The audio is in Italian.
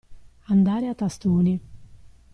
Andare a tastoni.